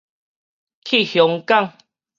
去香港